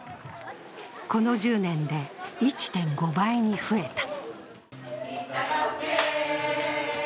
この１０年で１．５倍に増えた。